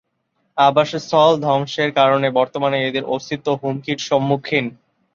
আবাসস্থল ধ্বংসের কারণে বর্তমানে এদের অস্তিত্ব হুমকির সম্মুখীন।